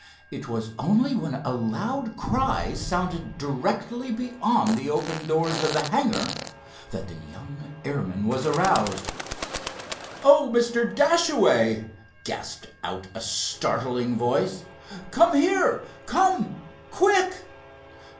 It was only when a loud cry sounded directly beyond the open doors of the hangar, that the young airman was aroused. "Oh, Mr. Dashaway!" gasped out a startling voice—"come here! come, quick!"